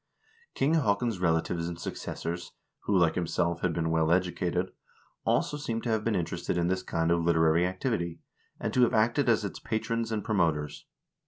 King Haakon's relatives and successors, who, like himself, had been well educated, also seem to have been interested in this kind of literary activity, and to have acted as its patrons and pro moters.